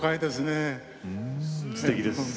すてきです。